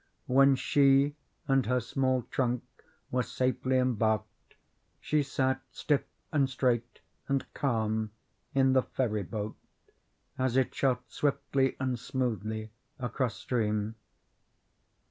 When she and her small trunk were safely embarked she sat stiff and straight and calm in the ferry boat as it shot swiftly and smoothly across stream.